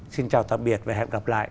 xin chào tạm biệt và hẹn gặp lại